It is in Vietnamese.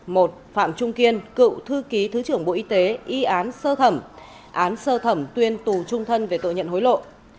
năm đỗ hoàng tùng cựu phó cục trưởng cục lãnh sự một mươi năm tù án sơ thẩm một mươi hai năm tù về tội nhận hối lộ